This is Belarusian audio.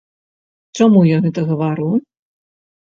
Чаму я гэта гавару?